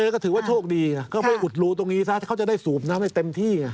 ก็ไปอุดลูตรงนี้ซะเขาจะสูบน้ำให้เต็มที่